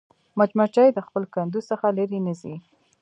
مچمچۍ د خپل کندو څخه لیرې نه ځي